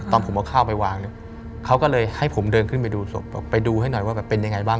ตอนผมเอาข้าวไปวางเนี่ยเขาก็เลยให้ผมเดินขึ้นไปดูศพบอกไปดูให้หน่อยว่าแบบเป็นยังไงบ้าง